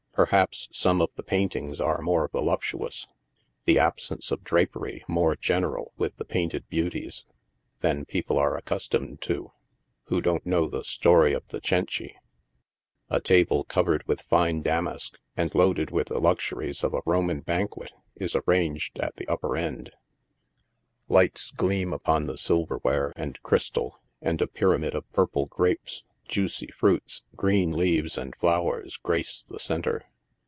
Per haps some of the paintings are more voluptuous — the absence of drapery more general with the painted beauties — than people aro accustomed to, who don't know the story of the Cenci. A table, covered with fine damask, and loaded with the luxuries of a Roman banquet, is arranged at the upper end ; lights gleam upon the silver ware and crystal, and a pyramid of purple gra< es, juicy fruits, green leaves and flowers grace the centre.